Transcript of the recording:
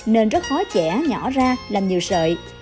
nên rất khó chẻ nhỏ ra làm nhiều sợi